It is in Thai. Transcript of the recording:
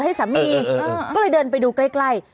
ให้สามีก็เลยเดินไปดูใกล้